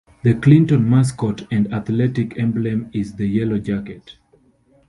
The Clinton mascot and athletic emblem is the Yellowjacket.